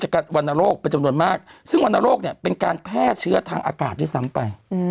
วรรณโรคเป็นจำนวนมากซึ่งวรรณโรคเนี่ยเป็นการแพร่เชื้อทางอากาศด้วยซ้ำไป